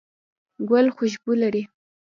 ګل خوشبو لري